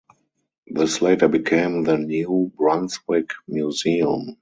This later became the New Brunswick Museum.